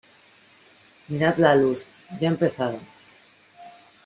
mirad la luz, ya ha empezado.